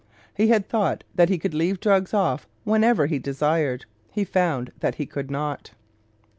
He had thought that he could leave drugs off whenever he desired; he found that he could not.